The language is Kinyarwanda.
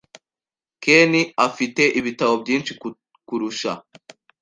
Ken afite ibitabo byinshi kukurusha.